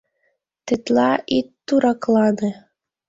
— Тетла ит тураклане...